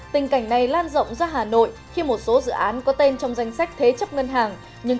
tình cảnh này lan rộng ra hà nội khi một số dự án có tên trong danh sách thế chấp ngân hàng